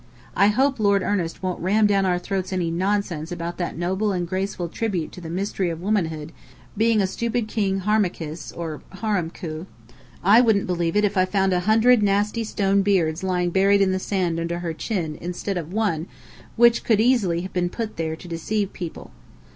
I hope Lord Ernest won't ram down our throats any nonsense about that noble and graceful tribute to the Mystery of Womanhood being a stupid King Harmachis, or Horemkhu. I wouldn't believe it if I found a hundred nasty stone beards lying buried in the sand under her chin, instead of one, which could easily have been put there to deceive people.